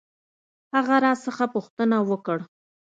هغه راڅخه پوښتنه وکړ.